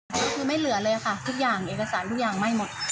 ก็คือไม่เหลือเลยค่ะทุกอย่างเอกสารทุกอย่างไหม้หมด